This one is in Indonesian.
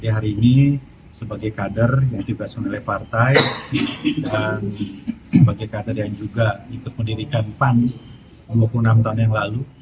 hari ini sebagai kader yang dibaskan oleh partai dan sebagai kader yang juga ikut mendirikan pan dua puluh enam tahun yang lalu